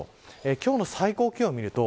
今日の最高気温を見ると